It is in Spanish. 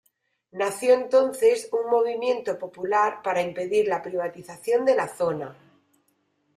Nació entonces un movimiento popular para impedir la privatización de la zona.